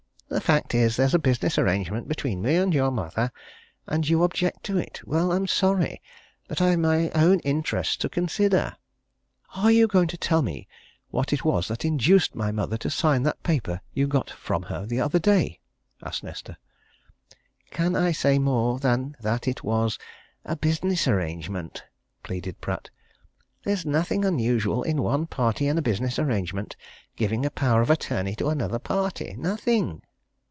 "The fact is, there's a business arrangement between me and your mother and you object to it. Well I'm sorry, but I've my own interests to consider." "Are you going to tell me what it was that induced my mother to sign that paper you got from her the other day?" asked Nesta. "Can I say more than that it was a business arrangement?" pleaded Pratt. "There's nothing unusual in one party in a business arrangement giving a power of attorney to another party. Nothing!"